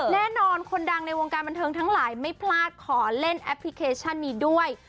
แน่นอนคนดังในวงการบันเทิงทั้งหลายไม่พลาดขอเล่นแอปพลิเคชันนี้ด้วย